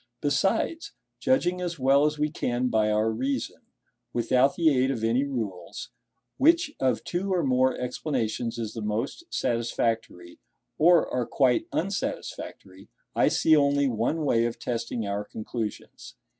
Besides, judging as well as we can by our reason, without the aid of any rules, which of two or more explanations is the most satisfactory, or are quite unsatisfactory, I see only one way of testing our conclusions.